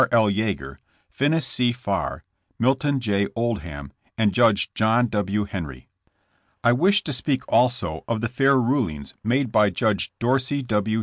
L. Yeager, Finis C. Farr, Milton J. Oldham and Judge John W. Henry. I wish to speak also of the fair rulings made by Judge Dorsey W.